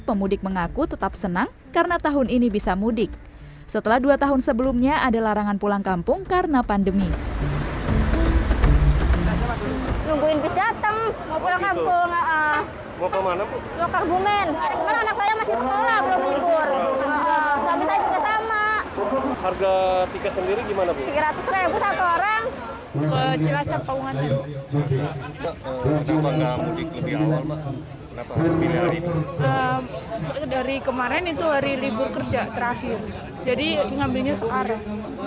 pemudik yang ditemukan di jawa tengah tersebut menerima pelayanan ke terminal bus kalideres jakarta barat